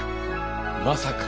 まさか。